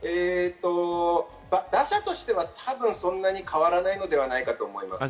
打者としてはたぶんそんなに変わらないのではないかと思います。